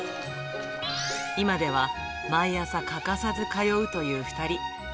今では毎朝、欠かさず通うという２人。